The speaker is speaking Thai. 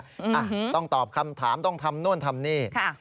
อ่ะต้องตอบคำถามต้องทำโน่นทำนี่